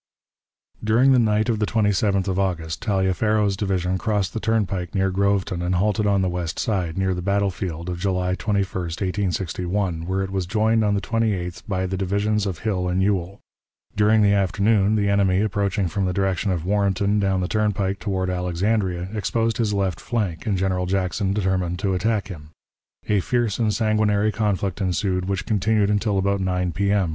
During the night of the 27th of August Taliaferro's division crossed the turnpike near Groveton and halted on the west side, near the battle field of July 21, 1861, where it was joined on the 28th by the divisions of Hill and Ewell. During the afternoon the enemy, approaching from the direction of Warrenton down the turnpike toward Alexandria, exposed his left flank, and General Jackson determined to attack him. A fierce and sanguinary conflict ensued which continued until about 9 P.M.